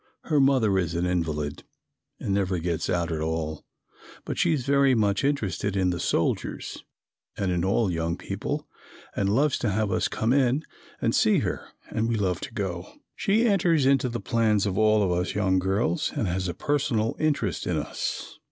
Her mother is an invalid and never gets out at all, but she is very much interested in the soldiers and in all young people, and loves to have us come in and see her and we love to go. She enters into the plans of all of us young girls and has a personal interest in us.